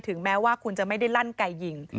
แม้ว่าคุณจะไม่ได้ลั่นไก่ยิง